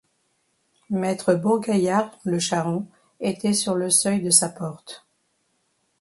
Maître Bourgaillard, le charron, était sur le seuil de sa porte.